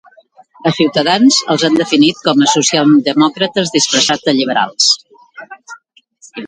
A Ciutadans els ha definit com a "socialdemòcrates disfressats de liberals".